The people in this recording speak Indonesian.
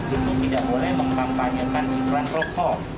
kita tidak boleh menampanyakan iklan rokok